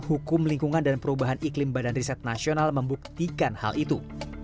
hukum lingkungan dan perubahan iklim badan riset nasional membuktikan hal itu